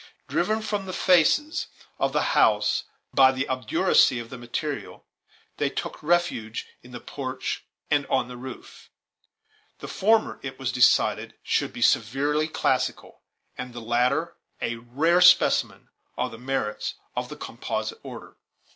Driven from the faces of the house by the obduracy of the material, they took refuge in the porch and on the roof. The former, it was decided, should be severely classical, and the latter a rare specimen of the merits of the Composite order.